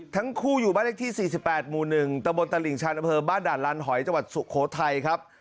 ทั้งคู่อยู่บ้านเลขที่๔๘หมู่๑ตะบนตลิ่งชันอำเภอบ้านด่านลานหอยจังหวัดสุโขทัยครับ